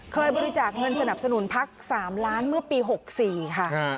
บริจาคเงินสนับสนุนพัก๓ล้านเมื่อปี๖๔ค่ะ